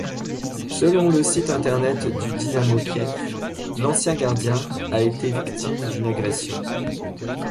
Selon le site internet du Dynamo Kiev, l'ancien gardien a été victime d'une agression.